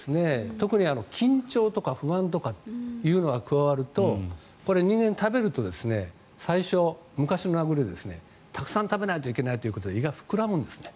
特に緊張とか不安というのが加わると人間は食べると最初、昔の名残でたくさん食べないといけないということで胃が膨らむんですね。